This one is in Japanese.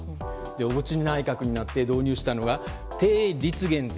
小渕内閣になって導入したのが定率減税。